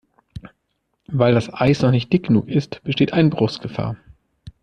Weil das Eis noch nicht dick genug ist, besteht Einbruchsgefahr.